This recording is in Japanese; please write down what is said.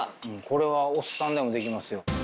これはおっさんでもできますよ。